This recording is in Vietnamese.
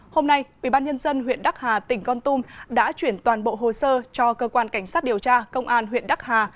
hôm nay ubnd huyện đắc hà tỉnh con tum đã chuyển toàn bộ hồ sơ cho cơ quan cảnh sát điều tra công an huyện đắc hà